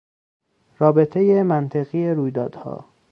رابطهی منطقی رویدادها